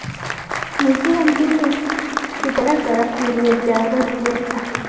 Ni izihe ndimi zigaragara ku ibuye rya Rosetta